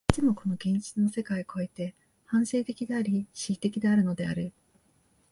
いつもこの現実の世界を越えて、反省的であり、思惟的であるのである。